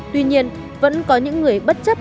tuy nhiên vẫn có những người bất chấp